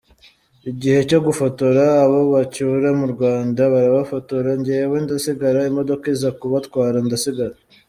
Igihe cyo gufotora abo bacyura mu Rwanda, barabafotora njyewe ndasigara, imodoka iza kubatwara ndasigar.